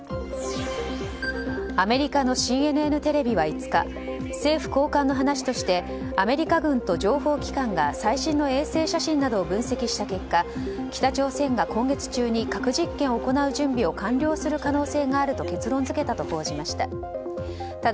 アメリカのＣＮＮテレビは５日政府高官の話としてアメリカ軍と情報機関が最新の衛星写真などを分析した結果北朝鮮が今月中に核実験を行う準備を完了する可能性があると結論付けたと報じました。